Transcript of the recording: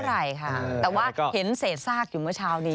ตกไม่เยอะเท่าไหร่บ้างค่ะแต่ว่าเห็นเศษอากอยู่เมื่อชาวนี้